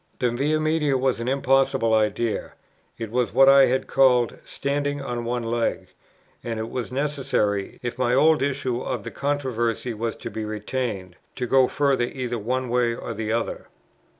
The Via Media was an impossible idea; it was what I had called "standing on one leg;" and it was necessary, if my old issue of the controversy was to be retained, to go further either one way or the other.